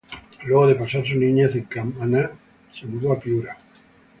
Luego de pasar su niñez en Camaná se mudó a Piura.